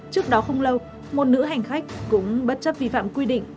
trước đó không lâu một nữ hành khách cũng bất chấp vi phạm quy định